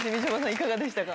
いかがでしたか？